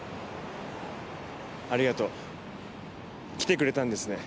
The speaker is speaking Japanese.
ありがとう。来てくれたんですね。